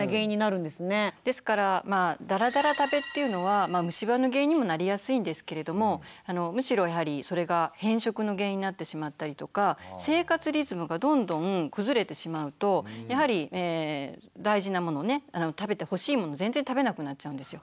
ですからだらだら食べっていうのは虫歯の原因にもなりやすいんですけれどもむしろやはりそれが偏食の原因になってしまったりとか生活リズムがどんどん崩れてしまうとやはり大事なものね食べてほしいものを全然食べなくなっちゃうんですよ。